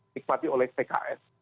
diikmati oleh tks